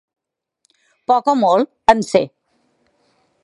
Poc o molt, en sé.